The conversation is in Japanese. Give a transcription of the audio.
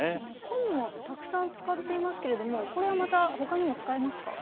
昆布もたくさん使っていますけれどもこれはまた他にも使えますか？